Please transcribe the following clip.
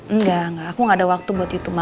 enggak enggak aku gak ada waktu buat itu mah